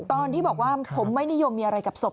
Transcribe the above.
ตอนที่บอกว่าผมไม่นิยมมีอะไรกับศพ